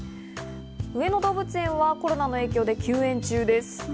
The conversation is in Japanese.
上野動物園はコロナの影響で休園中です。